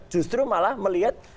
justru malah melihat